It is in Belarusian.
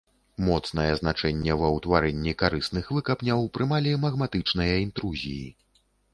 Моцнае значэнне ва ўтварэнні карысных выкапняў прымалі магматычныя інтрузіі.